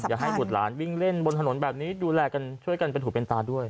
อย่าให้บุตรหลานวิ่งเล่นบนถนนแบบนี้ดูแลกันช่วยกันเป็นหูเป็นตาด้วย